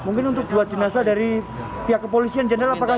mungkin untuk buat jenazah dari pihak kepolisian jenazah apakah